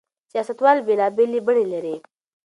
سياستوال بېلابېلې بڼې لري.